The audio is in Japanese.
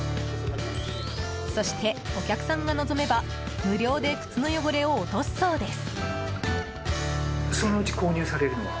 そして、お客さんが望めば無料で靴の汚れを落とすそうです。